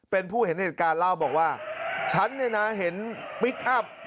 เป็นผู้เห็นเหตุการณ์เล่าบอกว่าฉันเนี่ยนะเห็นพลิกอัพ